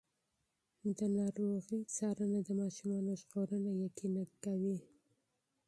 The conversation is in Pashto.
د ناروغۍ څارنه د ماشومانو ژغورنه یقیني کوي.